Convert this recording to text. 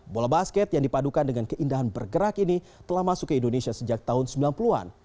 bola basket yang dipadukan dengan keindahan bergerak ini telah masuk ke indonesia sejak tahun sembilan puluh an